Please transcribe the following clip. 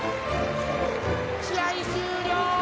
試合終了。